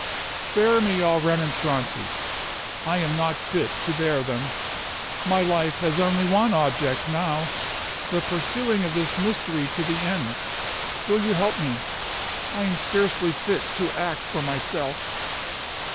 "Spare me all remonstrances; I am not fit to bear them. My life has only one object now the pursuing of this mystery to the end. Will you help me? I am scarcely fit to act for myself."